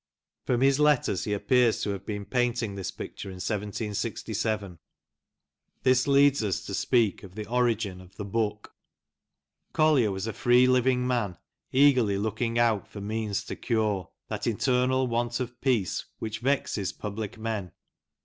From his letters he appears to have been painting this picture in 1767. This leads us to speak of the origin of the book. Tim Bobbin as an Artist, Ji Collier was a free living man, eagerly [looking out for means to cure That eternal want of peace Which vexes public men.